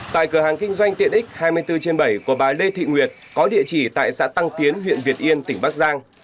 tại cửa hàng kinh doanh tiện ích hai mươi bốn trên bảy của bà lê thị nguyệt có địa chỉ tại xã tăng tiến huyện việt yên tỉnh bắc giang